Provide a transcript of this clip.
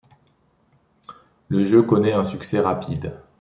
Le jeu connait un succès rapide.